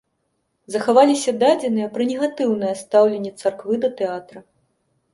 Захаваліся дадзеныя пра негатыўнае стаўленне царквы да тэатра.